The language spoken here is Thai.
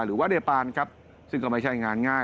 หรือว่าเดปานครับซึ่งก็ไม่ใช่งานง่าย